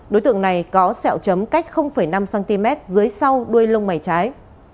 đối tượng này có sẹo chấm cách năm cm dưới sau đuôi lông mày trái